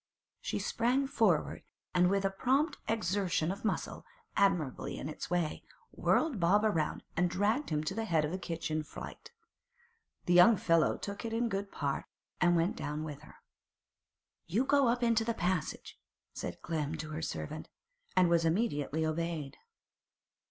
She sprang forward, and with a prompt exertion of muscle, admirable in its way, whirled Bob round and dragged him to the head of the kitchen flight. The young fellow took it in good part, and went down with her. 'You go up into the passage,' said Clem to her servant, and was immediately obeyed.